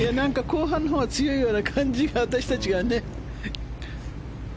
後半のほうが強い感じが私たちがね。